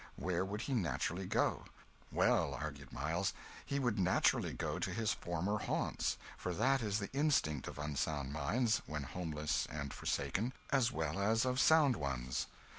Where would he naturally go? Well argued Miles he would naturally go to his former haunts, for that is the instinct of unsound minds, when homeless and forsaken, as well as of sound ones.